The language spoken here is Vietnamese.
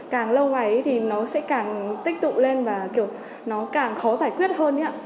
càng lâu ngày thì nó sẽ càng tích tụ lên và kiểu nó càng khó giải quyết hơn nhé